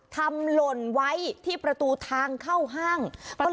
หล่นไว้ที่ประตูทางเข้าห้าง